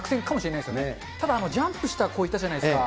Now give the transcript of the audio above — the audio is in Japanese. ただ、ジャンプした子、いたじゃないですか。